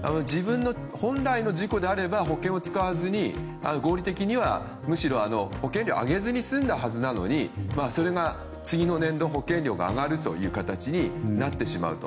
本来の事故であれば保険を使わずに合理的にはむしろ保険料を上げずに済んだはずなのにそれが次の年度、保険料が上がる形になってしまうと。